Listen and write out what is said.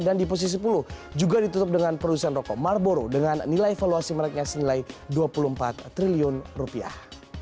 dan di posisi sepuluh juga ditutup dengan produsen rokok marboro dengan nilai valuasi mereknya senilai dua puluh empat triliun rupiah